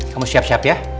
kamu siap siap ya